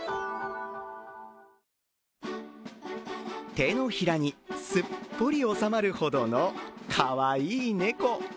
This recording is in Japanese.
手のひらにすっぽり収まるほどのかわいい猫。